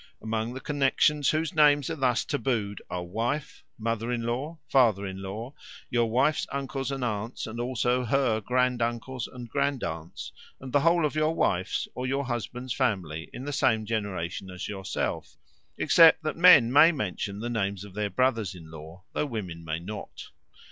Among the connexions whose names are thus tabooed are wife, mother in law, father in law, your wife's uncles and aunts and also her grand uncles and grand aunts, and the whole of your wife's or your husband's family in the same generation as yourself, except that men may mention the names of their brothers in law, though women may not.